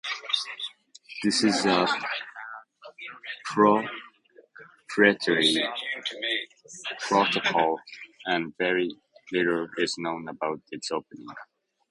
This is a proprietary protocol and very little is known about its operation.